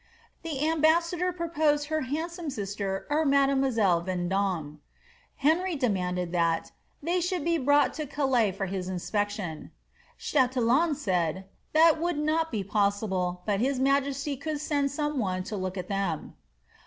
'' The ambassador proposed her handsome sister or made moiselle Vendome. Henry demanded that ^ they should be brought to Gdais for his inspection." Chatillon said, ^^ that would not be possible, bat his majesty could send some one to look at them."